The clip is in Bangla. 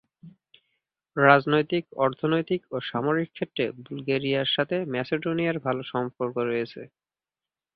রাজনৈতিক, অর্থনৈতিক ও সামরিক ক্ষেত্রে বুলগেরিয়ার সাথে ম্যাসেডোনিয়ার ভাল সম্পর্ক রয়েছে।